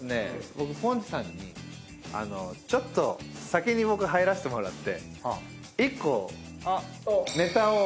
僕ポンチさんにちょっと先に僕入らせてもらって１個。